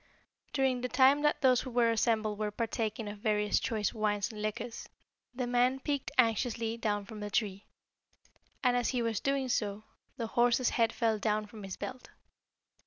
"During the time that those who were assembled were partaking of various choice wines and liquors, the man peeped anxiously down from the tree, and as he was doing so, the horse's head fell down from his belt.